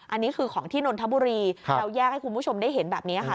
อันนี้คือของที่นนทบุรีเราแยกให้คุณผู้ชมได้เห็นแบบนี้ค่ะ